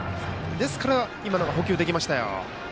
ですから今のが捕球できましたよ。